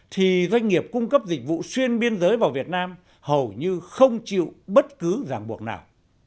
thì doanh nghiệp cung cấp dịch vụ xuyên biên giới vào việt nam hầu như không chịu bất cứ giảng buộc nào